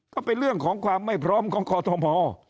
ก็เป็นเรื่องของความไม่พร้อมของกอทม